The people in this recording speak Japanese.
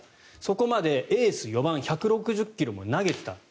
そこまでエース４番１６０ｋｍも投げていた。